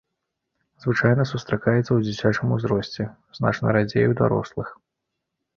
Звычайна сустракаецца ў дзіцячым узросце, значна радзей у дарослых.